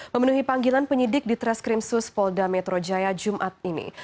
memenuhi panggilan penyidik di treskrim suspolda metro jaya jumat ini